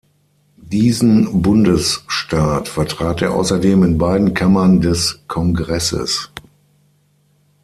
Diesen Bundesstaat vertrat er außerdem in beiden Kammern des Kongresses.